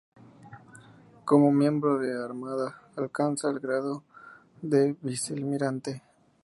Como miembro de la Armada, alcanza el grado de Vicealmirante.